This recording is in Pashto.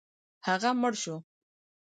هغه مړ شو.